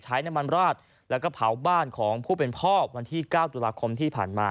ใช้น้ำมันราดแล้วก็เผาบ้านของผู้เป็นพ่อวันที่๙ตุลาคมที่ผ่านมา